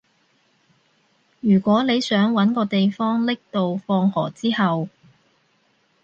如果你想搵個地方匿到放學之後